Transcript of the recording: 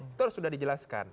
itu harus sudah dijelaskan